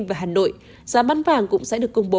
và hà nội giá bán vàng cũng sẽ được công bố